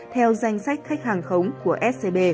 theo danh sách khách hàng khống của scb